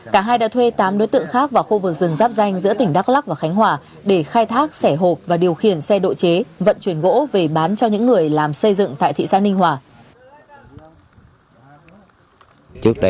cả hai đã thuê tám đối tượng khác vào khu vực rừng giáp danh giữa tỉnh đắk lắc và khánh hòa để khai thác sẻ hộp và điều khiển xe độ chế vận chuyển gỗ về bán cho những người làm xây dựng tại thị xã ninh hòa